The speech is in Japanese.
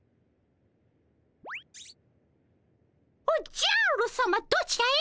おっじゃるさまどちらへ？